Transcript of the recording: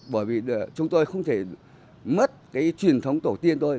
bởi vì chúng tôi không thể mất cái truyền thống tổ tiên thôi